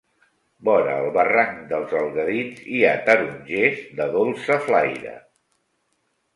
Vora el barranc dels Algadins, hi ha tarongers de dolça flaire.